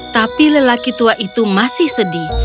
tapi lelaki tua itu masih sedih